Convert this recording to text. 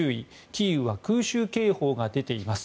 キーウは空襲警報が出ています